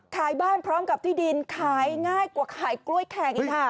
ขายบ้านพร้อมกับที่ดินขายง่ายกว่าขายกล้วยแขกอีกค่ะ